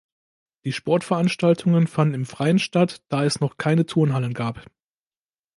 Die Sportveranstaltungen fanden im Freien statt, da es noch keine Turnhallen gab.